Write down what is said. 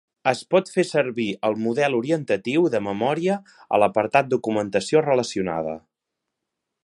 Es pot fer servir el model orientatiu de memòria a l'apartat Documentació relacionada.